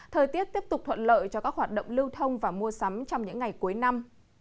thời tiết tiếp tục thuận lợi cho các hoạt động lưu thông và mua sắm trong những ngày cuối năm